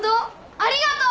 ありがとう！